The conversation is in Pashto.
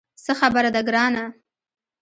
څه خبره ده ګرانه.